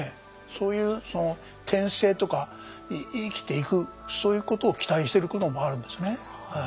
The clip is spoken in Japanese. そういう転生とか生きていくそういうことを期待してるところもあるんですね。